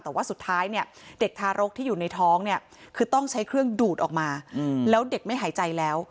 แต่ว่าสุดท้ายเนี่ยเด็กทารกที่อยู่ในท้องเนี่ยคือต้องใช้เครื่องดูดออกมาแล้วเด็กไม่หายใจแล้ว